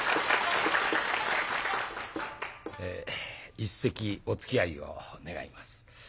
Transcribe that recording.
一席おつきあいを願います。